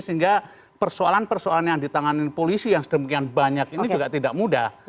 sehingga persoalan persoalan yang ditangani polisi yang sedemikian banyak ini juga tidak mudah